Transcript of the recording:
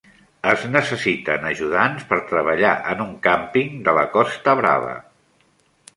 Es necessiten ajudants per treballar en un càmping de la Costa Brava.